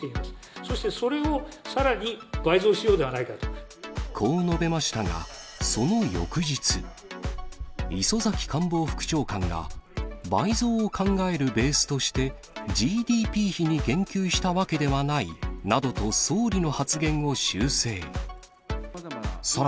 そしてそれを、さらに倍増しようこう述べましたが、その翌日。礒崎官房副長官が、倍増を考えるベースとして、ＧＤＰ比に言及したわけではないなどと総理の発言を修正。